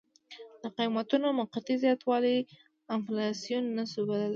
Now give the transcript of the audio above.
د قیمتونو موقتي زیاتوالی انفلاسیون نه شو بللی.